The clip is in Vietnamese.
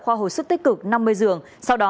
khoa hồi sức tích cực năm mươi giường sau đó